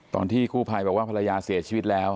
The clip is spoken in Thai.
ตอนที่กู้ภัยบอกว่าภรรยาเสียชีวิตแล้ว